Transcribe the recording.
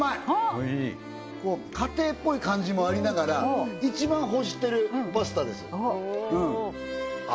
おいしい家庭っぽい感じもありながら一番欲してるパスタですおっ